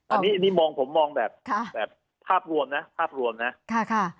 อันนี้มองผมมองแบบภาพรวมนะภาพรวมนะค่ะ